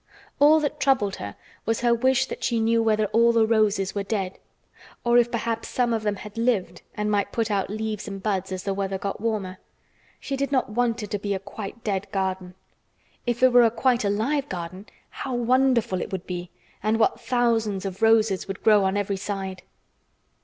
All that troubled her was her wish that she knew whether all the roses were dead, or if perhaps some of them had lived and might put out leaves and buds as the weather got warmer. She did not want it to be a quite dead garden. If it were a quite alive garden, how wonderful it would be, and what thousands of roses would grow on every side!